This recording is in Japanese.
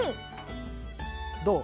どう？